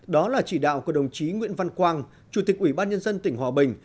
đó là chỉ đạo của đồng chí nguyễn văn quang chủ tịch ủy ban nhân dân tỉnh hòa bình